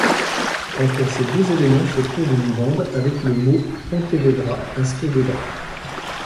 Entre ces deux éléments se trouve une bande avec le mot Pontevedra inscrit dedans.